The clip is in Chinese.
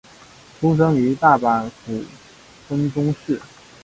出身于大阪府丰中市。